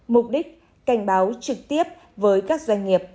mục đích cảnh báo trực tiếp với các doanh nghiệp